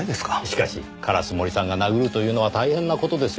しかし烏森さんが殴るというのは大変な事ですよ。